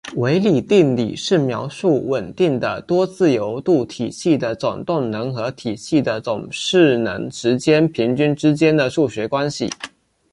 维里定理是描述稳定的多自由度体系的总动能和体系的总势能时间平均之间的数学关系。